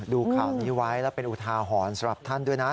ดูข่าวนี้ไว้แล้วเป็นอุทาหรณ์สำหรับท่านด้วยนะ